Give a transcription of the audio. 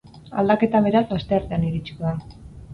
Aldaketa, beraz, asteartean iritsiko da.